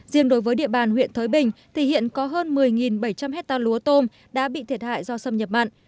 riêng đối với địa bàn huyện thới bình thì hiện có hơn một mươi bảy trăm linh hectare lúa tôm đã bị thiệt hại do xâm nhập mặn